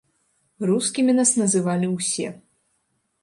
Рускімі нас называлі ўсе.